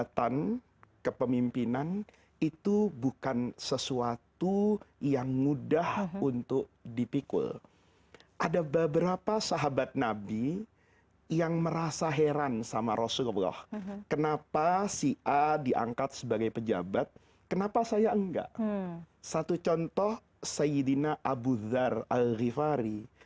tidak bisa tidur